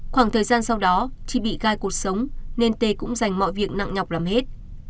khoảng thời gian sau đó chi bị gai cuộc sống nên tê cũng dành mọi việc nặng nhọc làm hết